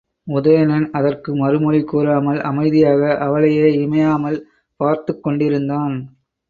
உதயணன் அதற்கு மறுமொழி கூறாமல் அமைதியாக அவளையே இமையாமல் பார்த்துக் கொண்டிருந்தான்.